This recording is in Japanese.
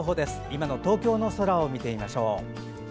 今の東京の空を見てみましょう。